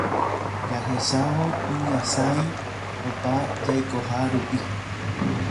Jahechávo iñasãi opa jaikoha rupi